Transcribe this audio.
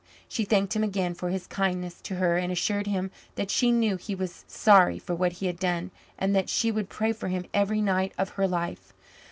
She thanked him again for his kindness to her and assured him that she knew he was sorry for what he had done and that she would pray for him every night of her life.